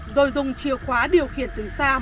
rồi dùng chìa khóa điều khiển từ xa mọi nơi